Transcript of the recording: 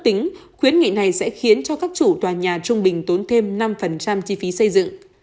tính khuyến nghị này sẽ khiến cho các chủ tòa nhà trung bình tốn thêm năm chi phí xây dựng